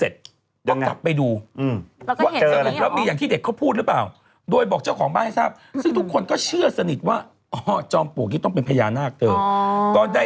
ชาวบ้านชาวขอนแก่นเนี่ยนะฮะ